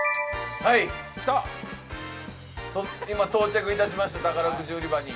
今、到着しました、宝くじ売り場に。